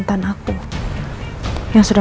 terus terang kiki